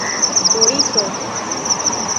Boriso!